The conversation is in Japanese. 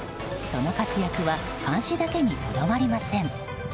その活躍は監視だけにとどまりません。